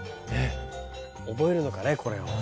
覚えるのかねこれを。